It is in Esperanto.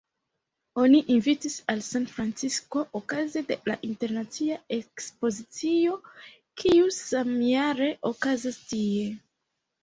Oni invitis al San-Francisko okaze de la Internacia ekspozicio, kiu samjare okazis tie.